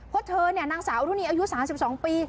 เพราะเธอเนี่ยนางสาวอรุณีอายุ๓๒ปี